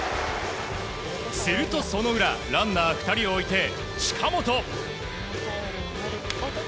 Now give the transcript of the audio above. すると、その裏ランナー２人を置いて近本。